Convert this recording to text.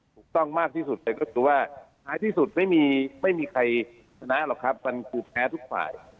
ถูกต้องมากที่สุดเลยก็คือว่าท้ายที่สุดไม่มีใครชนะหรอกครับมันคือแพ้ทุกฝ่าย